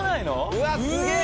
うわっすげえ！